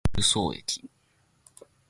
十三駅